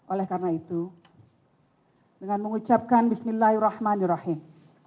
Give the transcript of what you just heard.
oleh karena itu dengan mengucapkan bismillahirrahmanirrahim